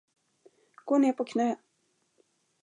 Gå ner på knä.